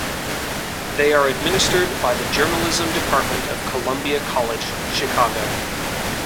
They are administered by the Journalism Department of Columbia College Chicago.